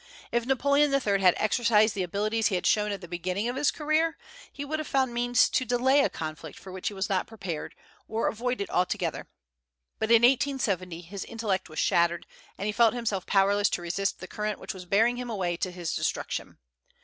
If Napoleon III. had exercised the abilities he had shown at the beginning of his career, he would have found means to delay a conflict for which he was not prepared, or avoid it altogether; but in 1870 his intellect was shattered, and he felt himself powerless to resist the current which was bearing him away to his destruction.